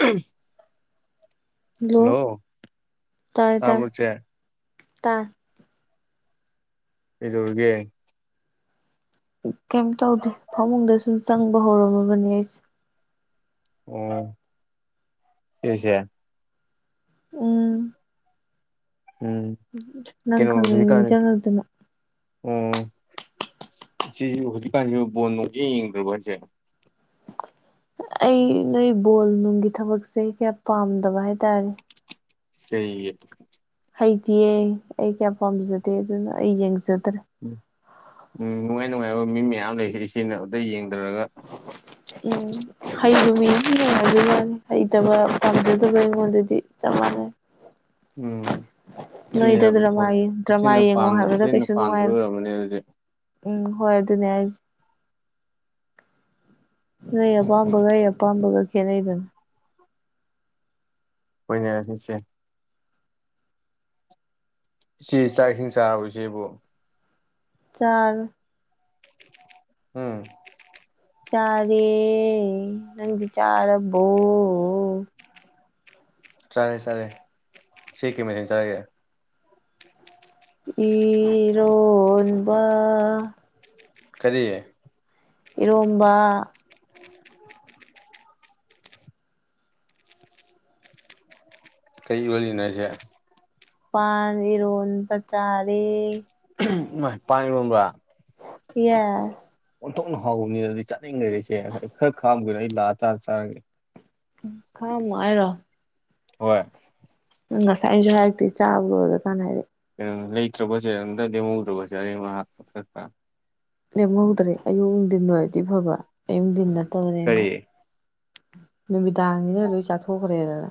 ꯎꯝ [unintelligible] ꯍꯥꯜꯂꯣ ꯇꯥꯔꯦ ꯇꯥꯔꯦ ꯇꯥꯕ꯭ꯔꯣ ꯆꯦ ꯇꯥꯢ ꯀꯩꯗꯧꯔꯒꯦ ꯀꯩꯝ ꯇꯧꯗꯦ ꯐꯃꯨꯡꯗꯁꯨ ꯆꯪꯕ ꯍꯧꯔꯝꯃꯕꯅꯦ ꯑꯩ ꯑꯣ ꯁꯤꯁꯦ ꯎꯝ ꯎꯝ ꯅꯪ ꯀꯩꯅꯣ ꯈꯪꯅꯤꯡ ꯍꯧꯖꯤꯛꯀꯥꯟ ꯅꯤꯡꯉꯥꯛꯇꯅ ꯑꯣ ꯢꯆꯦꯁꯦ ꯍꯧꯖꯤꯛꯀꯥꯟꯁꯤ ꯕꯣꯟ ꯅꯣꯡ ꯢꯌꯦꯡ ꯌꯦꯡꯗ꯭ꯔꯕꯣ ꯍꯥꯏꯁꯦ ꯑꯩ ꯅꯣꯏ ꯕꯣꯜ ꯅꯨꯡꯒꯤ ꯊꯕꯛꯁꯦ ꯀꯌꯥ ꯄꯥꯝꯗꯕ ꯍꯥꯏꯇꯥꯔꯦ ꯀꯩꯒꯤ ꯍꯩꯇꯦꯌꯦ ꯑꯩ ꯀꯌꯥ ꯄꯥꯝꯖꯗꯦ ꯑꯗꯨꯅ ꯑꯩ ꯌꯦꯡꯖꯗ꯭ꯔꯦ ꯎꯝ ꯎꯝ ꯅꯨꯡꯉꯥꯏ ꯅꯨꯡꯉꯥꯏꯕ ꯃꯤ ꯃꯌꯥꯝ ꯂꯩꯁꯦ ꯏꯆꯦꯅ ꯑꯝꯇ ꯌꯦꯡꯗ꯭ꯔꯒ ꯎꯝ ꯍꯩꯕ ꯃꯤꯗꯤ ꯅꯨꯡꯉꯥꯢꯗꯧ ꯃꯥꯂꯦ ꯍꯩꯇꯕ ꯄꯥꯝꯖꯗꯕ ꯑꯩꯉꯣꯟꯗꯗꯤ ꯆꯞ ꯃꯥꯟꯅꯩ ꯑꯣ ꯎꯝ ꯏꯆꯦꯅ ꯕꯣꯜ ꯗ꯭ꯔꯃꯥ ꯏꯆꯦꯅ ꯌꯦꯡꯉꯣ ꯍꯥꯏꯕꯗ ꯏꯆꯦꯅ ꯀꯩꯁꯨ ꯄꯥꯟꯗꯕꯩ ꯅꯨꯡꯉꯥꯏꯔꯣꯏ ꯑꯣꯏꯔꯝꯒꯅꯤ ꯑꯗꯨꯗꯤ ꯎꯝ ꯍꯣꯏ ꯑꯗꯨꯅꯦ ꯍꯥꯢꯁꯦ ꯅꯣꯢ ꯑꯄꯥꯝꯕꯒ ꯑꯩ ꯑꯄꯥꯝꯕꯒ ꯈꯦꯠꯅꯩꯗꯅ ꯍꯣꯏꯅꯦ ꯢꯆꯦ ꯏꯆꯦ ꯆꯥꯛ ꯏꯁꯤꯡ ꯆꯥꯔꯕꯣ ꯏꯆꯦꯕꯨ ꯆꯥꯔꯦ ꯎꯝ ꯆꯥꯔꯦ ꯅꯪꯗꯤ ꯆꯥꯔꯕꯣ ꯆꯥꯔꯦ ꯆꯥꯔꯦ ꯢꯆꯦ ꯀꯩ ꯃꯊꯦꯜ ꯆꯥꯔꯒꯦ ꯏꯔꯣꯟꯕ ꯀꯔꯤ ꯏꯔꯣꯟꯕ ꯀꯩ ꯏꯔꯣꯟꯂꯤꯅꯣ ꯍꯥꯢꯁꯦ ꯄꯥꯟ ꯏꯔꯣꯟꯕ ꯆꯔꯦ ꯏꯃꯥꯢ ꯄꯥꯟ ꯏꯔꯣꯟꯕꯥ ꯌꯦꯁ ꯑꯣꯟꯊꯣꯛꯅ ꯍꯥꯎꯕꯅꯤꯅꯗꯤ ꯆꯥꯅꯤꯡꯈꯔꯦꯗ ꯏꯆꯦ ꯈꯔ ꯈꯥꯛꯑꯝꯒꯦꯔꯣ ꯑꯩ ꯂꯥꯛꯑ ꯀꯥꯟꯗ ꯆꯥꯔꯒꯦ ꯈꯥꯛ ꯑꯝꯃꯣ ꯍꯥꯏꯔꯣ ꯍꯣꯏ ꯅꯪ ꯉꯁꯥꯏꯁꯨ ꯍꯥꯏꯔꯛꯇꯦ ꯆꯥꯕ ꯂꯣꯏꯔꯥ ꯀꯥꯟꯅ ꯍꯥꯏꯔꯛꯑꯦ ꯀꯩꯅꯣꯝ ꯂꯩꯇ꯭ꯔꯥꯕꯣ ꯆꯦ ꯑꯝꯇ ꯂꯦꯝꯍꯧꯗ꯭ꯔꯕꯣ ꯆꯦ ꯑꯔꯦꯝ ꯑꯈꯥꯛ ꯂꯦꯝꯍꯧꯗ꯭ꯔꯦ ꯑꯌꯨꯛ ꯅꯨꯡꯊꯤꯟ ꯑꯣꯏꯕꯗꯤ ꯐꯕ ꯑꯌꯨꯛ ꯅꯨꯡꯊꯤꯟ ꯅꯠꯇꯕꯅꯤꯅ ꯀꯔꯤ ꯅꯨꯃꯤꯗꯥꯡꯅꯤꯅ ꯂꯣꯏ ꯆꯥꯊꯣꯛꯈ꯭ꯔꯦꯗꯥꯅ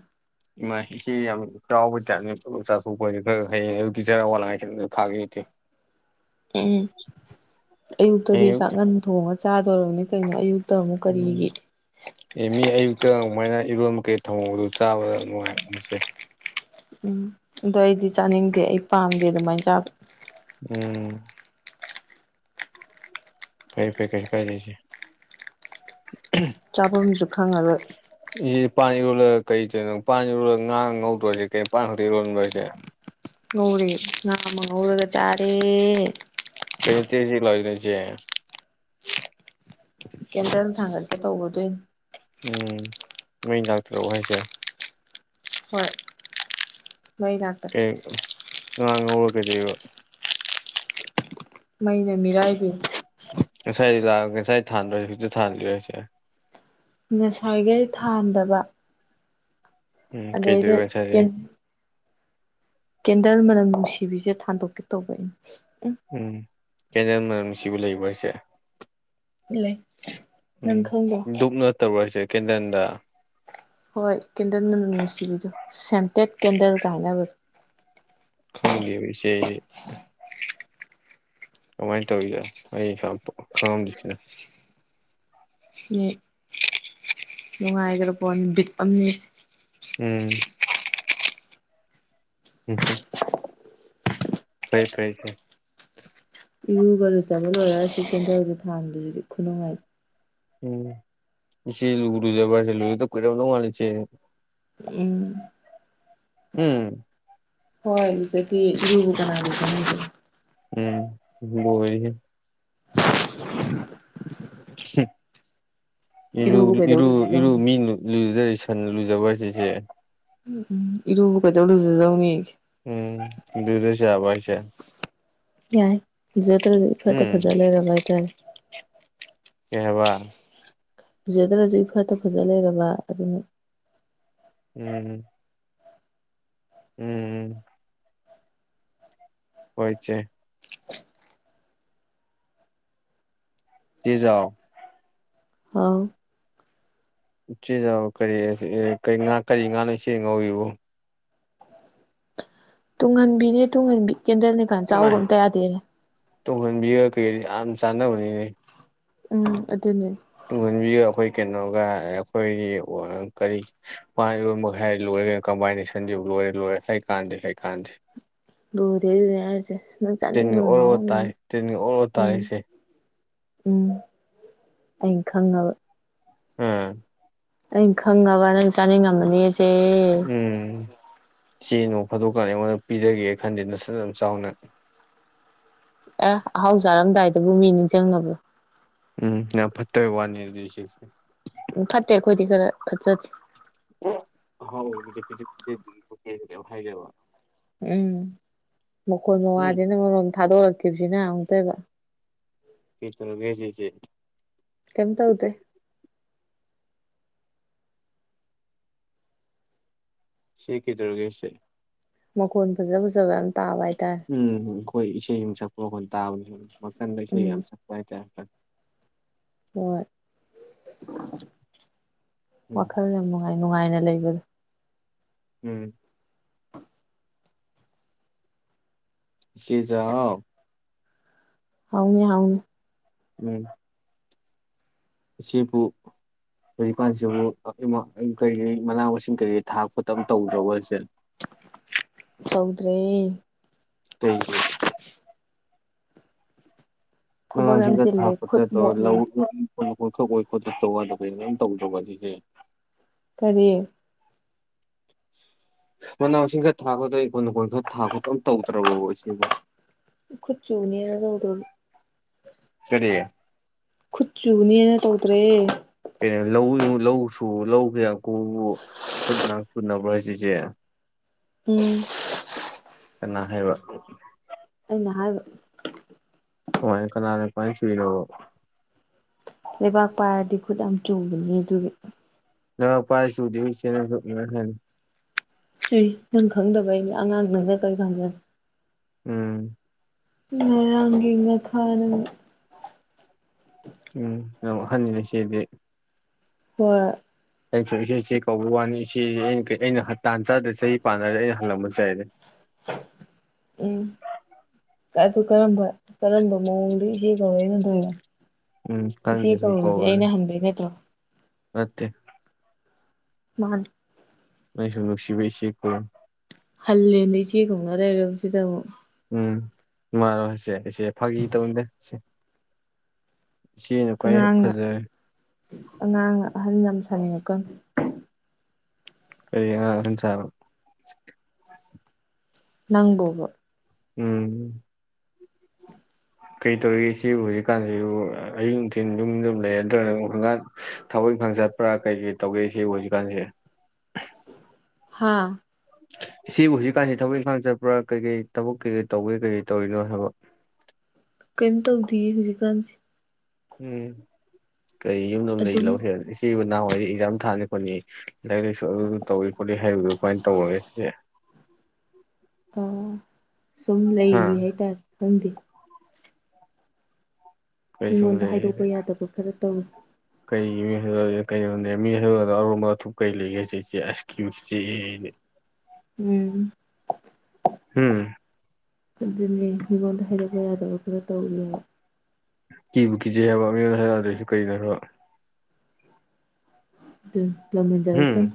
ꯏꯃꯥꯢ ꯏꯆꯦ ꯌꯥꯝ ꯆꯥꯎꯕ ꯑꯣꯏꯇꯥꯔꯅꯦ ꯆꯥꯊꯣꯛ ꯈꯔ ꯍꯌꯦꯡ [unintelligible] [inaudible] ꯎꯝ ꯑꯌꯨꯛꯇꯗꯤ ꯍꯌꯦꯡ ꯑꯌꯨꯛ ꯆꯥꯛꯍꯟ ꯊꯣꯡꯉꯥ ꯆꯥꯗꯣꯔꯥꯃꯤ ꯀꯩꯅꯣ ꯑꯌꯨꯛꯇ ꯑꯃꯨꯛ ꯀꯔꯤꯒꯤ ꯎꯝ ꯑꯦ ꯃꯤ ꯑꯌꯨꯛꯇ ꯑꯗꯨꯃꯥꯏꯅ ꯏꯔꯣꯟꯕꯀꯩ ꯊꯑꯣꯡꯗꯨ ꯆꯥꯕꯗ ꯅꯨꯡꯉꯥꯏꯕꯅꯤ ꯆꯦ ꯎꯝ ꯑꯗꯣ ꯑꯩꯗꯤ ꯆꯥꯅꯤꯡꯗꯦ ꯑꯩ ꯄꯥꯝꯗꯦ ꯑꯗꯨꯃꯥꯏꯅ ꯆꯥꯕ ꯎꯝ ꯐꯩ ꯐꯩ ꯀꯩꯁꯨꯀꯥꯢꯗꯦ ꯏꯆꯦ ꯆꯥꯐꯝꯁꯨ ꯈꯪꯉꯔꯣꯏ ꯑꯦ ꯄꯥꯟ ꯏꯔꯣꯟꯂꯒ ꯀꯩꯗꯣꯏꯅꯣ ꯄꯥꯟ ꯏꯔꯣꯟꯂꯒ ꯉꯥ ꯉꯧꯗꯣꯁꯦ ꯀꯩꯅꯣ ꯄꯥꯟ ꯈꯛꯇ ꯏꯔꯣꯟꯕꯔꯣ ꯍꯥꯢꯁꯦ ꯉꯧꯔꯦ ꯉꯥ ꯑꯃ ꯉꯧꯔꯒ ꯆꯥꯔꯦ ꯀꯩꯅꯣ ꯆꯦꯛ ꯆꯦꯛ ꯂꯥꯎꯔꯤꯗꯣ ꯏꯆꯦ ꯀꯦꯟꯗꯜ ꯊꯥꯡꯒꯠꯀꯦ ꯇꯧꯕ ꯑꯗꯨꯏꯅꯦ ꯎꯝ ꯃꯩ ꯂꯥꯛꯇꯔꯥꯕꯣ ꯍꯥꯏꯁꯦ ꯍꯣꯏ ꯃꯩ ꯂꯥꯛꯇꯦ ꯀꯩꯑꯦꯕ ꯉꯥ ꯉꯧꯔꯥ ꯀꯩꯗꯧꯑꯦꯕ ꯃꯩꯅ ꯃꯤꯔꯥꯏꯕꯤꯔꯦ ꯉꯁꯥꯏ ꯂꯥꯛꯑꯒꯦ ꯉꯁꯥꯏ ꯊꯥꯟꯕꯗꯔꯣ ꯍꯥꯢꯁꯦ ꯍꯧꯖꯤꯛꯇ ꯊꯥꯟꯔꯤꯔꯣ ꯍꯥꯢꯁꯦ ꯉꯁꯥꯏ ꯈꯩ ꯊꯥꯗꯕ ꯎꯝ ꯑꯗꯩꯗ ꯀꯩꯗꯧꯔꯤꯕ ꯉꯁꯥꯏꯗꯤ ꯀꯦꯟꯗꯜ ꯃꯅꯝ ꯅꯨꯡꯁꯤꯕꯤꯁꯦ ꯊꯥꯟꯗꯣꯛꯀꯦ ꯇꯧꯕ ꯑꯩꯩꯅ ꯎꯝ ꯀꯦꯟꯗꯜ ꯃꯅꯝ ꯅꯨꯡꯁꯤꯕ ꯂꯩꯕꯔꯣ ꯍꯥꯏꯁꯦ ꯂꯩ ꯎꯝ ꯅꯪ ꯈꯪꯗ꯭ꯔꯣ ꯗꯨꯛ ꯅꯠꯇꯥꯕꯔꯣ ꯍꯥꯏꯁꯦ ꯀꯦꯟꯗꯜꯗ ꯍꯣꯏ ꯀꯦꯟꯗꯟ ꯃꯥꯅꯝ ꯅꯨꯡꯁꯤꯕꯤꯗꯣ ꯁꯦꯟꯇꯦꯠ ꯀꯦꯟꯗꯜꯒ ꯍꯥꯏꯅꯕꯗꯣ ꯈꯪꯗꯦ ꯏꯆꯦ ꯑꯩꯗꯤ ꯀꯃꯥꯏꯅ ꯇꯧꯔꯤꯗ ꯑꯩꯅ ꯈꯪꯉꯝꯗꯔꯤꯁꯤꯅ ꯅꯨꯡꯉꯥꯏꯒ꯭ꯔꯕ ꯄꯣꯠꯅꯤ ꯕꯤꯠ ꯑꯃꯅꯤ ꯎꯝ [unintelligible] [unintelligible] ꯏꯔꯨꯒ ꯂꯨꯖꯕ ꯂꯣꯏꯔꯒ ꯁꯤ ꯀꯦꯟꯗꯟꯁꯦ ꯊꯥꯟꯕꯁꯤꯗꯤ ꯈꯨꯅꯨꯡꯉꯥꯏꯗꯤ ꯎꯝ ꯏꯆꯦ ꯂꯨ ꯂꯨꯖꯕ ꯍꯥꯏꯁꯦ ꯂꯨꯔꯤꯗ ꯀꯨꯏꯔꯝꯗꯧ ꯃꯟꯂꯦ ꯏꯆꯦ ꯎꯝ ꯎꯝ ꯍꯣꯏ ꯂꯨꯖꯗꯤꯌꯦ ꯏꯔꯨꯕꯨ ꯀꯅꯥ ꯂꯨꯖꯩ ꯍꯥꯏꯒꯦ ꯎꯝ ꯂꯣꯏꯔꯦꯍꯦ [unintelligible] ꯏꯔꯨꯕꯨ ꯏꯔꯨꯛ ꯀꯩꯗꯧ ꯏꯔꯨ ꯏꯔꯨ ꯂꯨꯖꯗꯧꯅꯤ ꯃꯤꯟꯂꯨ ꯂꯨꯖꯔꯤ ꯁꯟ ꯂꯨꯖꯕ ꯍꯥꯏꯁꯤ ꯆꯦ ꯎꯝ ꯎꯝ ꯏꯔꯨꯕꯨ ꯀꯩꯗꯧ ꯂꯨꯖꯗꯧꯅꯤꯒꯦ ꯎꯝ ꯂꯨꯗꯁꯨ ꯌꯥꯔꯕꯣ ꯍꯥꯏꯁꯦ? ꯌꯥꯏ ꯂꯨꯖꯗꯔꯁꯨ ꯏꯐꯇꯥ ꯎꯝ ꯐꯖꯥ ꯂꯩꯔꯕ ꯍꯥꯏꯇꯔꯦ ꯀꯩꯍꯥꯏꯕ? ꯂꯨꯖꯗ꯭ꯔꯁꯨ ꯏꯐꯠꯇ ꯐꯖ ꯂꯩꯔꯕ ꯑꯗꯨꯅ ꯎꯝ ꯎꯝ ꯍꯣꯏ ꯏꯆꯦ꯫ ꯆꯦ ꯖꯥꯎ ꯍꯧ ꯎꯆꯦꯖꯥꯎ ꯀꯔꯤꯑꯦ ꯀꯔꯤ ꯀꯔꯤ ꯉꯥ ꯀꯔꯤ ꯉꯥꯅꯣ ꯏꯆꯦꯅ ꯉꯧꯏꯕꯣ? ꯇꯨꯡꯍꯟꯕꯤꯅꯦ ꯇꯨꯡꯍꯟꯕꯤ ꯀꯦꯟꯗꯜꯅꯦꯀꯥꯟ ꯆꯥꯎꯒ ꯏꯃꯥꯏ ꯑꯝꯇ ꯌꯥꯗꯦ ꯇꯨꯡꯍꯟꯕꯤꯒ ꯀꯩ [unintelligible] ꯌꯥꯝ ꯆꯥꯟꯅꯕꯅꯤꯅꯦ ꯎꯝ ꯑꯗꯨꯅꯦ ꯇꯨꯡꯍꯟꯕꯤꯒ ꯑꯩꯈꯣꯏ ꯀꯩꯅꯣꯒ ꯑꯩꯈꯣꯏꯒꯤ ꯋꯥ ꯀꯔꯤ ꯄꯥꯟ ꯏꯔꯣꯟꯕꯀ ꯍꯥꯏꯔꯗꯤ ꯂꯣꯏꯔꯦ ꯀꯩꯅꯣ ꯀꯝꯕꯥꯏꯅꯦꯁꯟꯗꯤ ꯂꯣꯏꯔꯦ ꯂꯣꯏꯔꯦ ꯍꯩꯀꯥꯟꯅꯗꯦ ꯍꯩꯀꯥꯟꯅꯗꯦ ꯂꯨꯗꯦ ꯗꯨꯅꯦ ꯍꯥꯏꯔꯤꯁꯦ ꯅꯪ ꯆꯥꯅꯤꯡꯕ ꯇꯤꯟꯒ ꯑꯣꯔꯣ ꯇꯥꯏ ꯉꯥꯎꯔꯝꯃꯅꯤ ꯇꯤꯟꯒ ꯑꯣꯔꯣ ꯇꯥꯔꯦ ꯎꯝ ꯏꯆꯦ ꯎꯝ ꯑꯩꯡ ꯈꯪꯉꯥꯕ [unintelligible] ꯑꯩꯅ ꯈꯪꯉꯕ ꯅꯪ ꯆꯥꯅꯤꯡꯉꯝꯃꯅꯤꯑꯦꯁꯦ ꯎꯝ ꯆꯦ ꯅꯣꯡꯐꯥꯗꯣꯛꯀꯥꯟꯗ ꯑꯩꯉꯣꯟꯗ ꯄꯤꯖꯒꯦ ꯈꯟꯗꯦ ꯅꯁꯠꯅ ꯆꯥꯎꯅ ꯑꯦ ꯑꯍꯥꯎ ꯆꯥꯔꯝꯗꯥꯏꯗꯕꯨ ꯃꯤ ꯅꯤꯡꯖꯪꯅꯕ꯭ꯔꯣ? ꯎꯝ ꯌꯥꯝ ꯐꯠꯇꯕꯩ ꯋꯥꯅꯦ ꯑꯗꯨꯗꯤ ꯏꯆꯦꯁꯦ ꯎꯝ ꯐꯠꯇꯦ ꯑꯈꯣꯏꯗꯤ ꯈꯔ ꯐꯠꯆꯥꯗꯦ [unintelligible] ꯑꯍꯥꯎꯕꯗꯤ ꯄꯤꯖꯛ [unintelligible] ꯈꯣꯠꯀꯦꯗꯤ ꯀꯦꯝ ꯍꯥꯏꯗꯦꯕ ꯎꯝ ꯃꯈꯣꯟ ꯎꯝ ꯃꯋꯥꯁꯤꯅ ꯃꯔꯣꯝ ꯊꯥꯗꯣꯛꯔꯛꯈꯤꯕꯁꯤꯅ ꯑꯃꯨꯛꯇꯣꯏꯕ ꯀꯩ ꯇꯧꯅꯞꯒꯦ ꯍꯥꯏꯁꯦ ꯏꯆꯦ ꯀꯦꯝꯇꯧꯗꯦ ꯆꯦ ꯀꯩꯗꯧꯔꯒꯦ ꯍꯥꯏꯁꯦ? ꯃꯈꯣꯟ ꯐꯖꯥ ꯐꯖꯕ ꯌꯥꯝ ꯇꯥꯕ ꯍꯥꯏꯠ ꯎꯝ ꯈꯣꯏ ꯏꯁꯩ ꯑꯃ ꯁꯛꯄ ꯃꯈꯣꯟ ꯇꯥꯕꯅꯦ ꯗꯨꯝ ꯋꯥꯈꯟꯗ ꯏꯁꯩꯒ ꯎꯝ ꯌꯥꯝ ꯁꯛꯄ ꯍꯥꯏꯇꯥꯔꯦ [unintelligible] ꯍꯣꯏ ꯎꯝ ꯋꯥꯈꯜ ꯌꯥꯝ ꯅꯨꯡꯉꯥꯏ ꯅꯨꯡꯉꯥꯏꯅ ꯂꯩꯕꯗꯣ ꯎꯝ ꯏꯆꯦꯖꯥꯎ ꯍꯥꯎꯅꯦ ꯍꯥꯎꯅꯦ ꯎꯝ ꯏꯆꯦꯄꯨ ꯍꯧꯖꯤꯛꯀꯥꯟꯁꯤꯕꯨ ꯑꯥ ꯏꯃꯥ ꯎꯝ ꯀꯔꯤ ꯀꯔꯤ ꯃꯅꯥ ꯃꯁꯤꯡ ꯀꯔꯤ ꯊꯥꯛ ꯈꯣꯠꯇꯝ ꯇꯧꯗ꯭ꯔꯕꯣ ꯍꯥꯏꯁꯦ? ꯇꯧꯗ꯭ꯔꯦ꯫ ꯀꯩꯒꯤ ꯊꯕꯛ ꯃꯁꯤ ꯌꯥꯝ ꯆꯤꯜꯂꯦ ꯍꯥꯀꯣꯏ [unintelligible] ꯈꯨꯠ ꯇꯣ ꯣ ꯃꯣꯠꯅꯤ [unintelligible] ꯏꯈꯛ ꯑꯣꯏꯣꯏ ꯈꯣꯠꯇꯛꯇꯧꯕꯗ ꯀꯩꯅꯣꯌꯥꯝ ꯇꯧꯗ꯭ꯔꯕ ꯁꯤꯁꯦ ꯀꯔꯤ ꯃꯅꯥ ꯃꯁꯤꯡ ꯈꯔ ꯊꯥ ꯈꯠꯇꯅ ꯏꯀꯣꯟ ꯅꯣꯡꯀꯣꯜ ꯈꯔ ꯊꯥ ꯈꯠꯇꯅ ꯇꯧꯗ꯭ꯔꯕꯣ ꯢꯆꯦꯕꯣ ꯈꯨꯠ ꯆꯨꯅꯤꯅ ꯇꯧꯗꯕ ꯀꯔꯤ ꯈꯨꯠ ꯆꯨꯅꯤꯅ ꯇꯧꯗ꯭ꯔꯦ ꯀꯩꯅꯣ ꯂꯧ ꯂꯧꯁꯨ ꯂꯧꯒꯦ ꯀꯣ ꯈꯨꯠ ꯅꯥ ꯆꯨꯅꯕ꯭ꯔꯣ ꯍꯥꯏꯁꯦ ꯢꯆꯦ ꯎꯝ ꯀꯅꯥ ꯍꯥꯏꯕ ꯑꯩꯅ ꯍꯥꯏꯕ ꯀꯃꯥꯢ ꯀꯅꯅꯥ ꯀꯃꯥꯢ ꯆꯨꯔꯤꯅꯣꯕ ꯂꯩꯕꯥꯛ ꯄꯥꯏꯔꯗꯤ ꯈꯨꯠ ꯌꯥꯝ ꯆꯨꯕꯅꯦ ꯑꯗꯨꯒꯤ ꯂꯨꯕꯥꯛ ꯄꯥꯢꯔꯁꯨ ꯆꯨꯗꯦ ꯢꯆꯦ ꯑꯗꯨꯃꯥꯢ ꯍꯥꯢꯅꯨ ꯆꯨꯏ ꯅꯪ ꯈꯪꯗꯕꯩꯅꯦ ꯑꯉꯥꯡ ꯅꯪꯅ ꯀꯩ ꯈꯪꯗꯅ ꯎꯝ ꯉꯔꯥꯡꯒꯤ ꯉꯥ ꯈꯥꯅꯦ ꯎꯝ ꯌꯥꯝ ꯑꯍꯥꯟꯅꯤꯅ ꯢꯆꯦꯗꯤ ꯍꯣꯢ ꯑꯩꯅꯁꯨꯝ ꯏꯆꯦ ꯏꯆꯦ ꯀꯧꯕ ꯋꯥꯅꯤ ꯏꯆꯦ ꯑꯩꯅ ꯑꯩꯅ ꯇꯥꯟ ꯆꯥꯗꯔꯗꯤ ꯆꯍꯤ ꯄꯥꯟꯅꯔꯗꯤ ꯑꯩꯅ ꯍꯜꯂꯝꯕ ꯌꯥꯏꯅꯦ ꯎꯝ ꯑꯗꯨ ꯀꯔꯝꯕ ꯀꯔꯝꯕ ꯃꯑꯣꯡꯗ ꯏꯆꯦ ꯀꯧꯔꯛꯏꯅꯣ ꯑꯗꯨꯒ ꯎꯝ ꯏꯆꯦ ꯈꯪꯗꯦ ꯁꯨꯝ ꯀꯧꯔꯤꯁꯦ ꯀꯧꯕꯅꯤ ꯑꯩꯅ ꯍꯟꯕꯩ ꯅꯠꯇ꯭ꯔꯣ ꯅꯠꯇꯦ ꯃꯥꯅꯤ ꯑꯩꯅ ꯁꯨꯝ ꯅꯨꯡꯁꯤꯕꯩ ꯢꯆꯦ ꯀꯧꯕ ꯍꯜꯂꯦꯅ ꯏꯆꯦ ꯀꯧꯅ ꯂꯩꯔꯁꯤꯗ ꯑꯃꯨꯛ ꯎꯝ ꯅꯨꯡꯉꯥꯏꯔꯣ ꯏꯁꯦ ꯏꯆꯦ ꯐꯥꯒꯤ ꯇꯧꯅꯤꯗ ꯏꯆꯦꯅ ꯈ꯭ꯋꯥꯏ ꯑꯉꯥꯡꯅ ꯐꯖꯔꯦ ꯑꯉꯥꯡꯅ ꯑꯍꯜ ꯌꯥꯝ ꯁꯥꯅꯤꯡꯉꯥꯛꯒꯅꯣ ꯀꯔꯤ ꯑꯉꯥꯡꯅ ꯑꯍꯥꯜ ꯁꯥꯕ ꯅꯪꯕꯣꯕ ꯎꯝ ꯀꯩ ꯇꯧꯔꯤꯒꯦ ꯢꯆꯦꯕꯨ ꯍꯧꯖꯤꯛꯀꯥꯟꯁꯤꯕꯨ ꯑꯌꯤꯡ ꯅꯨꯡꯊꯤꯟ ꯌꯨꯝ ꯑꯗꯨꯝ ꯂꯩꯔ [unintelligible] ꯅꯗ꯭ꯔꯒꯅ ꯍꯒꯥꯥꯡ ꯊꯕꯛ ꯏꯪꯈꯪ ꯆꯠꯄ꯭ꯔꯥ ꯀꯩ ꯀꯩ ꯇꯧꯒꯦ ꯢꯐꯦꯕꯨ ꯍꯧꯖꯤꯛꯀꯥꯟꯁꯦ ꯍꯥꯥ ꯢꯆꯦꯕꯨ ꯍꯧꯖꯤꯛꯀꯥꯟꯁꯤ ꯊꯕꯛ ꯏꯪꯈꯥꯡ ꯆꯠꯄ꯭ꯔꯥ ꯀꯩꯀꯩ ꯊꯕꯛ ꯀꯩꯀꯩ ꯇꯧꯒꯦ ꯀꯩꯀꯩ ꯇꯧꯔꯤꯅꯣ ꯍꯥꯏꯕ ꯀꯩꯝ ꯇꯧꯗꯦꯌꯦ ꯍꯧꯖꯤꯛꯀꯥꯟꯁꯦ ꯎꯝ ꯀꯔꯤ ꯌꯨꯝ ꯌ [unintelligible] ꯝ ꯂꯩ ꯑꯗꯨꯝ ꯂꯧꯈꯦꯅ ꯏꯆꯦꯕꯨ ꯅꯍꯥꯟꯋꯥꯏ ꯑꯦꯛꯖꯥꯝ ꯊꯥꯅꯤ ꯈꯣꯠꯅꯤ ꯂꯥꯏꯔꯤꯛ ꯂꯥꯢꯁꯨ ꯑꯗꯨ ꯇꯧꯔꯤ ꯈꯣꯠꯂꯤ ꯍꯥꯏꯕꯗꯨ ꯀꯃꯥꯏꯅ ꯇꯧꯔꯒꯦ ꯢꯆꯦ ꯁꯨꯝ ꯍꯥ ꯂꯩꯔꯤ ꯍꯥꯏꯇꯥꯔꯦ ꯈꯪꯗꯦ ꯀꯩ ꯁꯨꯝ ꯃꯤꯉꯣꯟꯗ ꯍꯥꯏꯗꯣꯛꯄ ꯌꯥꯗꯕ ꯈꯔ ꯇꯧꯔꯤ ꯀꯩꯒꯤ ꯃꯤꯗ ꯀꯩꯅꯣꯅꯦ ꯃꯤ ꯍꯩꯗꯜꯒ ꯑꯔꯣꯟꯕ ꯑꯊꯨꯞ ꯀꯩ ꯂꯩꯒꯦ ꯁꯤꯦꯆꯦ [unintelligible] ꯑꯁ ꯀ꯭ꯌꯨ ꯆꯦꯅꯦ ꯎꯝ ꯍꯨꯝ ꯑꯗꯨꯅꯦ ꯃꯤꯉꯣꯟꯗ ꯍꯥꯏꯗꯣꯛꯄ ꯌꯥꯗꯕ ꯈꯔ ꯇꯧꯔꯤꯌꯦ ꯀꯤꯕꯨ ꯀꯤꯖꯩ ꯍꯥꯏꯕ ꯃꯤꯉꯣꯟꯗ ꯍꯥꯏꯗꯣꯛ ꯌꯥꯗꯔꯤꯁꯤꯕꯨ ꯀꯔꯤꯅꯣ ꯍꯥꯏꯕ ꯂꯥꯝ ꯖꯟ ꯎꯝ ꯖꯥꯔꯛꯁꯅꯤ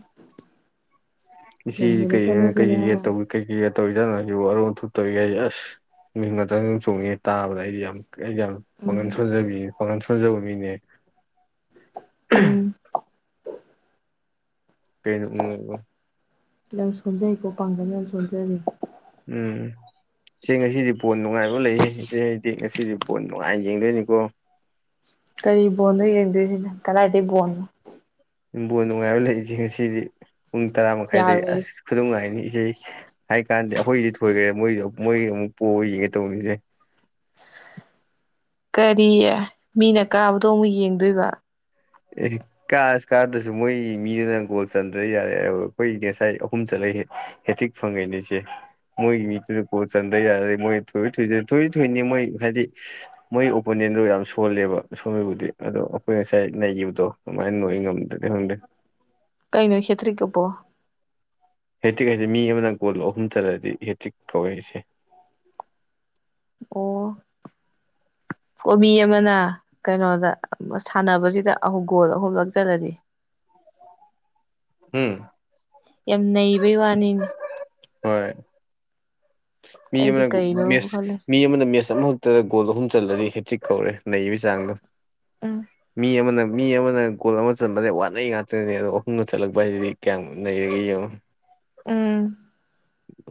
ꯏꯆꯦ ꯀꯩ ꯀꯩ ꯍꯦꯜꯂꯛꯀꯅꯣꯗꯅ ꯀꯩ ꯇꯧꯏ ꯀꯩ ꯀꯩꯀ ꯇꯧꯔꯤꯗꯅꯣ ꯁꯤꯁꯨꯕꯨ ꯑꯔꯨ ꯑꯟꯊꯨꯞ ꯇꯧꯔꯤꯒ ꯍꯥꯏꯁꯦ ꯑꯁ ꯃꯤꯍꯨꯟꯒ ꯗꯪ ꯗꯪ ꯆꯣꯡꯉꯦ ꯇꯥꯕꯗ ꯑꯩꯗꯤ ꯌꯥꯝ ꯑꯩ ꯌꯥꯝ ꯎꯝ ꯄꯒꯥꯟꯁꯣꯟꯖꯕꯤ ꯄꯒꯥꯟ ꯁꯣꯟꯖꯕ ꯃꯤꯅꯦ ꯎꯝ ꯀꯩꯅꯣ ꯎꯝ ꯑꯥꯕꯨ ꯌꯥꯝ ꯁꯣꯟꯖꯩꯕꯨ ꯄꯥꯡꯒꯟ ꯌꯥꯝ ꯁꯣꯟꯖꯔꯤꯔꯣ ꯎꯝ ꯏꯆꯦ ꯉꯁꯤꯗꯤ ꯕꯣꯜ ꯅꯨꯡꯉꯥꯏꯕ ꯂꯩꯌꯦ ꯏꯆꯦ ꯑꯩꯗꯤ ꯉꯁꯤꯗꯤ ꯕꯣꯜ ꯅꯨꯡꯉꯥꯏꯅ ꯌꯦꯡꯗꯣꯏꯅꯤꯀꯣ ꯀꯔꯤ ꯕꯣꯜꯅꯣ ꯌꯦꯡꯗꯣꯏꯁꯤꯅ ꯀꯗꯥꯏꯗꯒꯤ ꯕꯣꯜꯅꯣ ꯕꯣꯜ ꯅꯨꯡꯉꯥꯏꯕ ꯂꯩꯏꯁꯦ ꯉꯁꯤꯗꯤ ꯄꯨꯡ ꯇꯔꯥ ꯃꯈꯥꯏꯗꯒꯤ ꯌꯥꯔꯣꯏ ꯑꯁ ꯈꯨꯅꯨꯡꯉꯥꯏꯅꯤ ꯏꯆꯦ ꯍꯥꯏ ꯀꯥꯟꯗꯤ ꯑꯩꯈꯣꯏꯗꯤ ꯊꯣꯏꯈ꯭ꯔꯦ ꯃꯣꯏꯗ ꯃꯣꯏꯒꯤ ꯑꯃꯨꯛ ꯄꯣꯛꯒ ꯌꯦꯡꯉꯦ ꯇꯧꯕꯅꯤ ꯢꯆꯦ ꯀꯔꯤ ꯃꯤꯅ ꯀꯥꯕꯗꯣ ꯑꯃꯨꯛ ꯌꯦꯡꯗꯣꯏꯕ ꯑꯦ ꯀꯥꯁ ꯀꯥꯗꯁꯨ ꯃꯣꯏ ꯃꯤꯗꯨꯅ ꯒꯣꯜ ꯆꯟꯗ꯭ꯔꯦ ꯌꯥꯔꯦ ꯑꯩꯈꯣꯏ ꯉꯁꯥꯏ ꯑꯍꯨꯝ ꯆꯠꯂꯁꯦ ꯍꯦꯇꯤꯛ ꯐꯪꯉꯤꯅꯤ ꯏꯆꯦ ꯃꯣꯏꯒꯤ ꯃꯤꯠꯇꯨꯗ ꯄꯣꯠ ꯆꯟꯗꯩ ꯌꯥꯔꯗꯤ ꯃꯣꯏ ꯊꯣꯏ ꯊꯣꯏꯗ ꯊꯣꯏ ꯊꯣꯏꯅꯤ ꯃꯣꯏ ꯍꯥꯏꯗꯤ ꯃꯣꯏ ꯑꯣꯄꯣꯅꯦꯟꯗꯣ ꯌꯥꯝ ꯁꯣꯜꯂꯦꯕ ꯁꯣꯝꯕꯨꯗꯤ ꯑꯗꯣ ꯑꯩꯈꯣꯏ ꯉꯁꯥꯏ ꯅꯩꯈꯤꯕꯗꯣ ꯑꯗꯨꯃꯥꯏꯅ ꯅꯩ ꯉꯝꯗ꯭ꯔꯗꯤ ꯈꯪꯗꯦ ꯀꯩꯅꯣ ꯍꯦꯠꯇ꯭ꯔꯤꯛꯑꯕꯣ ꯍꯦꯠꯇ꯭ꯔꯤꯛ ꯍꯥꯏꯗꯤ ꯃꯤ ꯑꯃꯅ ꯒꯣꯜ ꯑꯍꯨꯝ ꯆꯠꯂꯗꯤ ꯍꯦꯇ꯭ꯤꯛ ꯀꯧꯋꯦ ꯏꯆꯦ ꯑꯣ ꯃꯤ ꯑꯃꯅ ꯀꯩꯅꯣꯗ ꯁꯥꯟꯅꯕꯁꯤꯗ ꯑꯍꯨꯝ ꯒꯣꯜ ꯑꯍꯨꯝ ꯂꯛꯆꯜꯂꯗꯤ ꯎꯝ ꯌꯥꯝ ꯅꯩꯕꯩ ꯋꯥꯅꯤꯅꯦ ꯍꯣꯏ ꯃꯤ ꯑꯩꯗꯤ ꯑꯃꯅ ꯀꯩꯅꯣꯕꯨ ꯈꯜꯂꯦ ꯃꯤ ꯑꯃꯅ ꯃꯦꯁ ꯑꯃ ꯑꯗꯨꯗ ꯒꯣꯜ ꯑꯍꯨꯝ ꯆꯂꯗꯤ ꯍꯦꯛꯇꯤꯛ ꯀꯧꯔꯦ ꯅꯩꯕꯒꯤ ꯆꯥꯡꯗꯣ ꯎꯝ ꯃꯤ ꯑꯃꯅ ꯃꯤ ꯑꯃꯅ ꯒꯣꯜ ꯑꯃ ꯆꯟꯕꯅꯦ ꯋꯥꯠꯅꯩ ꯉꯥꯛꯇꯅꯤ ꯑꯗꯣ ꯑꯍꯨꯝꯒ ꯆꯠꯂꯛꯄ ꯍꯥꯏꯁꯤꯗꯤ ꯀꯌꯥꯝ ꯅꯩꯔꯒꯦ ꯌꯦꯡꯉꯨ ꯎꯝ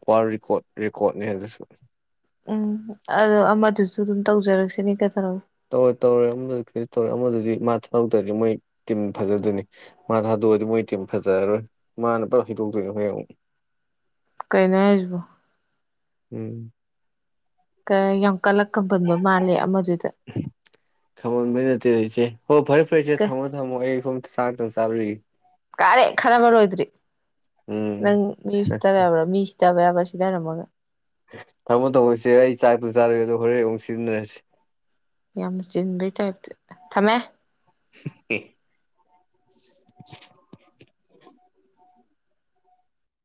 ꯋꯥꯔꯜ ꯔꯦꯀꯣꯔꯠ ꯔꯦꯀꯣꯔꯠꯅꯦ ꯑꯗꯨꯁꯨ ꯎꯝ ꯑꯗꯣ ꯑꯃꯗꯨꯁꯨ ꯑꯗꯨꯝ ꯇꯧꯖꯔꯛꯁꯤꯅꯦ ꯀꯩꯗꯧꯔꯒꯦ ꯇꯧꯔꯣꯏ ꯇꯧꯔꯦꯢ ꯑꯃꯗꯨꯗꯤ ꯀꯩꯝ ꯇꯧꯔꯦꯢ ꯑꯃꯗꯨꯗꯤ ꯃꯥ ꯊꯣꯛꯈꯛꯇ꯭ꯔꯥꯗꯤ ꯃꯣꯏ ꯇꯤꯝ ꯐꯖꯗꯣꯏꯅꯤ ꯃꯥ ꯊꯥꯗꯣꯛꯑꯗꯤ ꯃꯣꯏ ꯇꯤ ꯐꯖꯔꯔꯣꯏ ꯃꯥꯅ ꯄꯨꯂꯞ ꯍꯩꯗꯣꯛꯇꯣꯏꯅꯦ ꯍꯣꯏ ꯑꯃꯨꯛ ꯀꯩꯅ ꯍꯥꯏꯁꯤꯕꯣ ꯎꯝ ꯌꯥꯝ ꯀꯂꯛ ꯈꯝꯕꯟꯕ ꯃꯥꯜꯂꯦ ꯑꯃꯗꯨꯗ ꯈꯝꯕꯟꯕꯩ ꯅꯠꯇꯦꯗ ꯏꯆꯦ ꯍꯣ ꯐꯔꯦ ꯐꯔꯦ ꯏꯆꯦ ꯊꯝꯃꯣ ꯊꯝꯃꯣ ꯑꯩ ꯁꯣꯝ ꯆꯥꯛ ꯆꯥꯔꯨꯈꯤꯒꯦ ꯀꯥꯔꯤ ꯈꯠꯅꯕ ꯂꯣꯏꯗ꯭ꯔꯤ ꯎꯝ ꯅꯪ ꯃꯤ ꯎꯁꯤꯠꯇꯕ ꯌꯥꯕ꯭ꯔꯣ ꯃꯤꯁꯤ ꯁꯤꯗꯕ ꯌꯥꯕ ꯁꯤꯗ ꯔꯝꯃꯥꯒ ꯊꯃꯣ ꯊꯝꯃꯣ ꯏꯆꯦ ꯑꯩ ꯆꯥꯛ ꯑꯝꯇꯥ ꯆꯥꯔꯨꯒꯦ ꯑꯗꯣꯒ ꯍꯣꯔꯦꯟ ꯑꯃꯨꯛ ꯁꯤꯗꯥꯅꯔꯁꯦ ꯌꯥꯝ ꯆꯤꯟꯕꯩ ꯇꯥꯏꯞꯇ ꯊꯝꯃꯦ ꯑꯦ [inaudible]